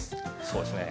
そうですね。